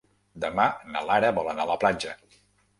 Demà na Lara vol anar a la platja.